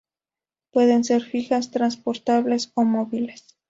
Pueden ser fijas, transportables o móviles.